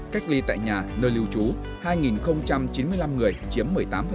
cách ly tại nhà nơi lưu trú hai chín mươi năm người chiếm một mươi tám